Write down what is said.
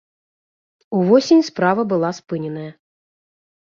Увосень справа была спыненая.